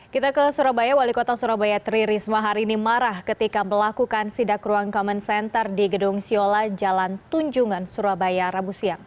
kita ke surabaya wali kota surabaya tri risma hari ini marah ketika melakukan sidak ruang common center di gedung siola jalan tunjungan surabaya rabu siang